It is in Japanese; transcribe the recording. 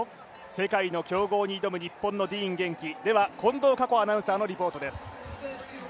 世界の強豪に挑む日本のディーン元気、では、近藤夏子アナウンサーのレポートです。